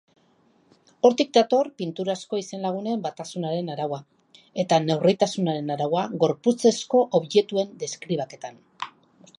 Hortik dator pinturazko izenlagunen batasunaren araua, eta neurritasunaren araua gorputzezko objektuen deskribaketan.